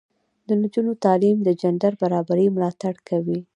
د نجونو تعلیم د جنډر برابري ملاتړ کوي.